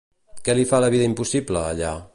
Qui li fa la vida impossible, allà?